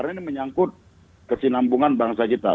karena ini menyangkut kesinambungan bangsa kita